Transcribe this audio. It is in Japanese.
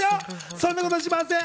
そんなことしません。